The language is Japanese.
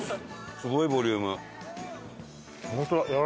すごいボリューム。